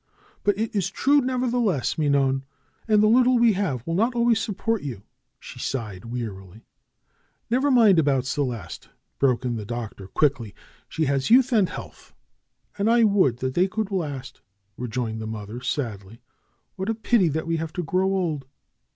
"But it is true, nevertheless, mignonne ! And the little we have will not always support you." She sighed wearily. "Never mind about Celeste," broke in the Doctor quickly. "She has youth and health." "And I would they could last !" rejoined the mother sadly. "What a pity that we have to grow old!"